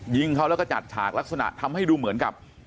ยิงเขาแล้วก็จัดฉากลักษณะทำให้ดูเหมือนกับ